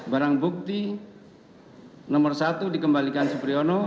barang bukti nomor satu dikembalikan supriyono